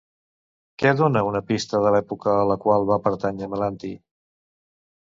Què dona una pista de l'època a la qual va pertànyer Melanti?